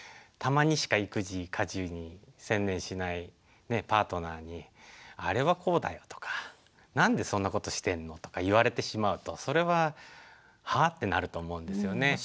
たまにしか育児家事に専念しないパートナーに「あれはこうだよ」とか「何でそんなことしてんの？」とか言われてしまうとそれは「は？」ってなると思うんですよね。